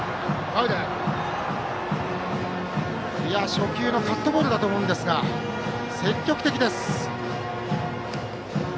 初球カットボールだと思いますが積極的です。。